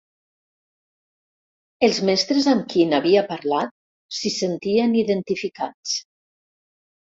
Els mestres amb qui n'havia parlat s'hi sentien identificats.